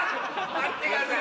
待ってください！